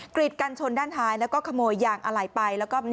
กรีดกันชนด้านท้ายแล้วก็ขโมยยางอะไหล่ไปแล้วก็